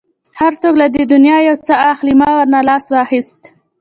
هر څوک له دې دنیا یو څه اخلي، ما ورنه لاس واخیست.